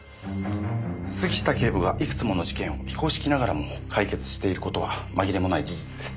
杉下警部がいくつもの事件を非公式ながらも解決している事は紛れもない事実です。